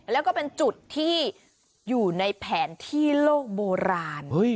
แล้วก็เป็นจุดที่อยู่ในแผนที่โลกโบราณ